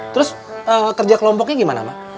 terus kerja kelompoknya gimana pak